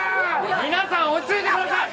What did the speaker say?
皆さん落ち着いてください